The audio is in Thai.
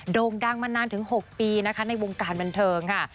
โด่งดังมานานถึง๖ปีนะคะในวงการบันเทิงค่ะ